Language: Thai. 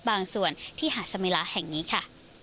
บางส่วนที่หาดสมิลาแห่งนี้ค่ะ